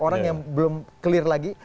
orang yang belum clear lagi